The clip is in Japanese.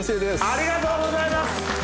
ありがとうございます！